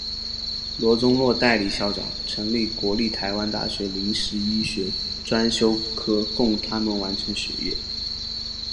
罗宗洛代理校长成立国立台湾大学临时医学专修科供他们完成学业。